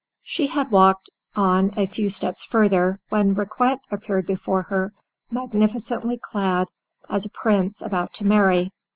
She had only walked on a few steps further, when Riquet appeared before her, magnificently clad, as a Prince about to marry.